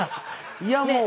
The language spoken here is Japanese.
いやもう。